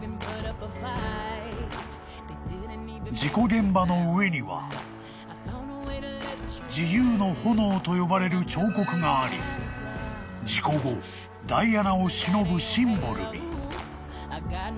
［事故現場の上には「自由の炎」と呼ばれる彫刻があり事故後ダイアナをしのぶシンボルに］